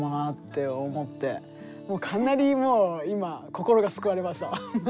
かなりもう今心が救われました。